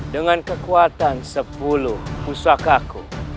dengan kekuatan sepuluh usakaku